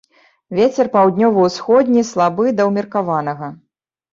Вецер паўднёва-ўсходні, слабы да ўмеркаванага.